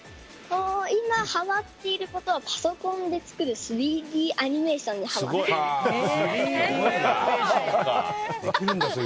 今、はまっていることはパソコンで作る３Ｄアニメーションにはまっています。